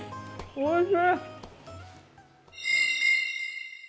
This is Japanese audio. おいしい！